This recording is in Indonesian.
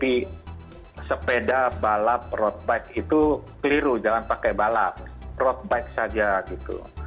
jadi sepeda balap road bike itu keliru jangan pakai balap road bike saja gitu